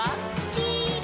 「きいろ！」